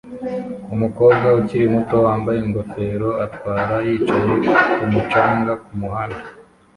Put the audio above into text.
Umukobwa ukiri muto wambaye ingofero atwara yicaye kumu canga kumuhanda